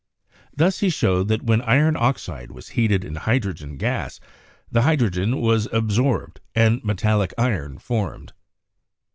Thus, he showed that when iron oxide was heated in hydrogen gas the hydrogen was absorbed and metallic iron formed.